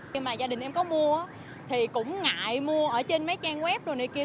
khi mà gia đình em có mua thì cũng ngại mua ở trên mấy trang web rồi này kia